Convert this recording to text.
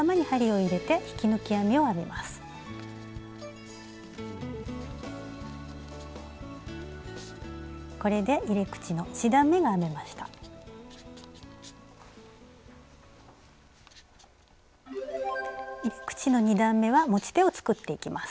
入れ口の２段めは持ち手を作っていきます。